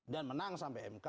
dan menang sampai mk